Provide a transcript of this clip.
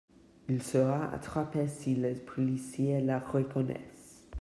Il sera attrapé si les policiers le reconnaisse.